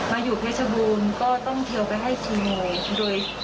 มาอยู่เพชรชบูรณ์ก็ต้องเที่ยวไปให้ชีวิต